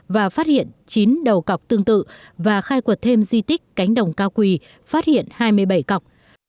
và phát hiện chín đầu cọc tương tự và khai quật thêm di tích cánh đồng cao quỳ phát hiện hai mươi bảy cọc